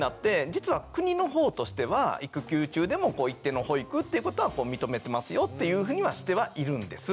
実は国のほうとしては育休中でも一定の保育っていうことは認めてますよっていうふうにはしてはいるんです。